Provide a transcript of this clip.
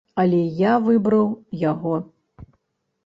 Але я выбраў яго.